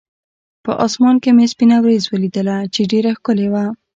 په اسمان کې مې سپینه ورېځ ولیدله، چې ډېره ښکلې وه.